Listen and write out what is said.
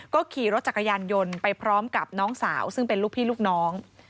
ก็ขี่รถจักรยานยนต์ไปพร้อมกับน้องสาวซึ่งเป็นลูกพี่ลูกน้อง